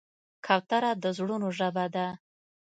کوتره د زړونو ژبه ده.